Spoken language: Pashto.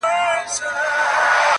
د ماهر فنکار د لاس مجسمه وه!!